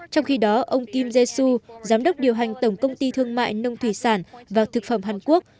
trong khi đó ông kim je su giám đốc điều hành tổng công ty thương mại nông thủy sản và thực phẩm hàn quốc